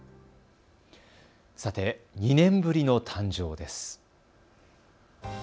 さて、２年ぶりの誕生です。